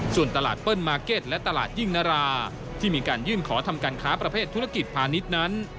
ส่วนตลาดเปิ้ลมาร์เก็ตและตลาดยิ่งนาราที่มีการยื่นขอทำการค้าประเภทธุรกิจพาณิชย์นั้น